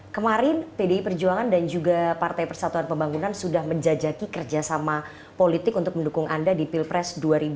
kemarin pdi perjuangan dan juga partai persatuan pembangunan sudah menjajaki kerjasama politik untuk mendukung anda di pilpres dua ribu dua puluh